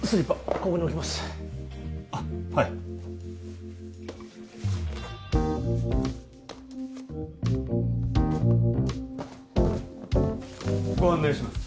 ここに置きますあっはいご案内します